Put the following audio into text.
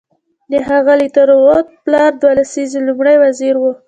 د ښاغلي ترودو پلار دوه لسیزې لومړی وزیر و.